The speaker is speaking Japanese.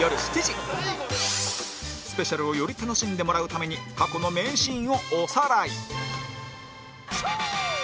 スペシャルをより楽しんでもらうために過去の名シーンをおさらい